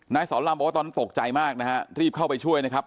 สอนลำบอกว่าตอนนั้นตกใจมากนะฮะรีบเข้าไปช่วยนะครับ